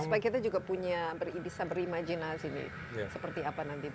supaya kita juga punya bisa berimajinasi nih seperti apa nanti